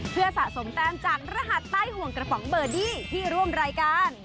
เพื่อสะสมแต้มจากรหัสใต้ห่วงกระป๋องเบอร์ดี้ที่ร่วมรายการ